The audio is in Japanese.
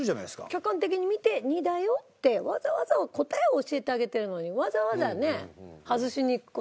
客観的に見て２だよってわざわざ答えを教えてあげてるのにわざわざね外しにいく事ないんじゃない？